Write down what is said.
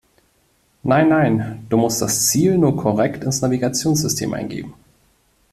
Nein, nein, du musst das Ziel nur korrekt ins Navigationssystem eingeben.